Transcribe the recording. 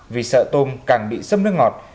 vì sợ tôm càng bị xâm nước ngọt